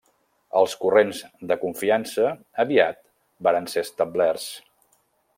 Els corrents de confiança aviat varen ser establerts.